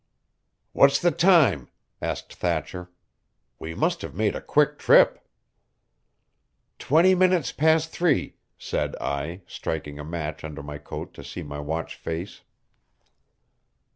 "What's the time?" asked Thatcher. "We must have made a quick trip." "Twenty minutes past three," said I, striking a match under my coat to see my watch face.